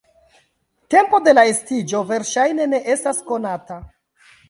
Tempo de la estiĝo verŝajne ne estas konata.